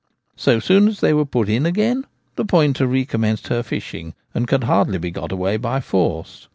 So soon as they were put in again the pointer recommenced her fishing, and could hardly be got away by force.